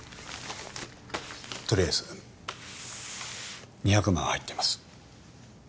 とりあえず２００万入ってます